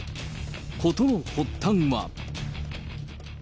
事の発端は。